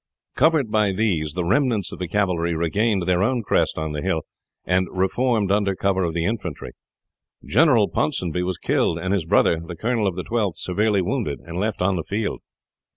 Covered by these the remnants of the cavalry regained their own crest on the hill, and reformed under cover of the infantry. General Ponsonby was killed, and his brother, the colonel of the Twelfth, severely wounded and left on the field.